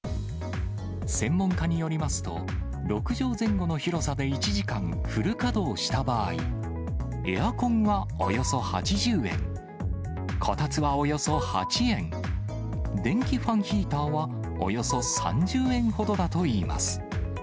専門家によりますと、６畳前後の広さで１時間フル稼働した場合、エアコンはおよそ８０円、こたつはおよそ８円、電気ファンヒーターはおよそ３０円ほどだといいます。